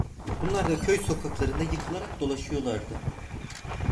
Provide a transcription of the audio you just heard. Bunlar da köy sokaklarında yıkılarak dolaşıyorlardı.